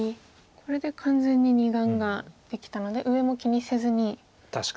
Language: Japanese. これで完全に２眼ができたので上も気にせずに打てますね。